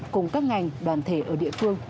cùng các ngành đoàn thể ở địa phương